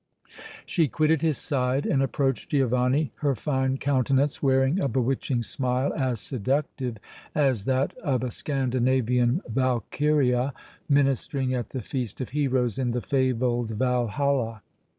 She quitted his side and approached Giovanni, her fine countenance wearing a bewitching smile as seductive as that of a Scandinavian valkyria ministering at the feast of heroes in the fabled Valhalla.